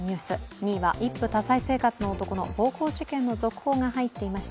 ２位は一夫多妻生活の男の暴行事件の続報が入っていました。